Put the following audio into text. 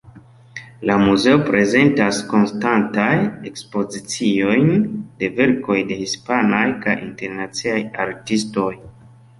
La muzeo prezentas konstantajn ekspoziciojn de verkoj de hispanaj kaj internaciaj artistoj.